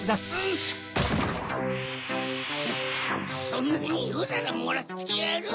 そんなにいうならもらってやる！